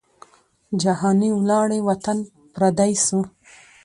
جهاني ولاړې وطن پردی سو